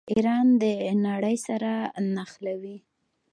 ایران د نړۍ سره نښلوي.